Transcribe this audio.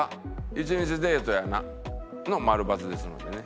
「１日デートやな」の「○」「×」ですのでね。